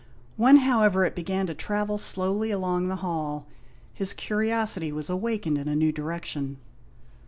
When, however, it began to travel slowly along the hall, his curiosity was awakened in a new direction.